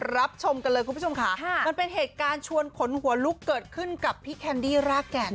รับชมกันเลยคุณผู้ชมค่ะมันเป็นเหตุการณ์ชวนขนหัวลุกเกิดขึ้นกับพี่แคนดี้รากแก่น